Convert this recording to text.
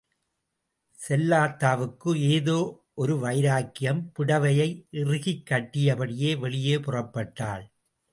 செல்லாத்தாவுக்கு ஏதோ ஒரு வைராக்கியம், புடவையை இறுக்கிக்கட்டியபடியே வெளியே புறப்பட்டாள்.